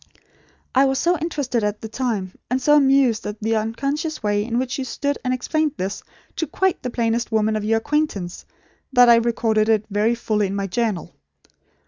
"I was so interested, at the time; and so amused at the unconscious way in which you stood and explained this, to quite the plainest woman of your acquaintance, that I recorded it very fully in my journal.